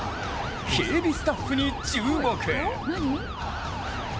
警備スタッフに注目。